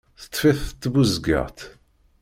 Teṭṭef-it tbuzeggaɣt.